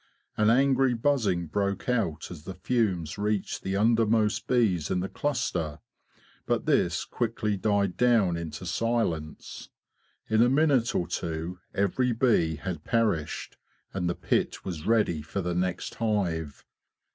An angry buzzing broke out as the fumes reached the under most bees in the cluster, but this quickly died down into silence. In a minute or two every bee had perished, and the pit was ready for the next hive.